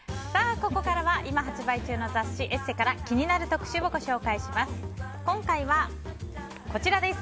ここからは今発売中の雑誌「ＥＳＳＥ」から気になる特集をご紹介します。